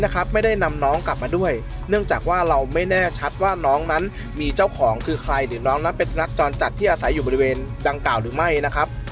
ของคือใครหรือน้องนั้นเป็นสนักจรจัดที่อาศัยอยู่บริเวณดังกล่าวหรือไม่นะครับ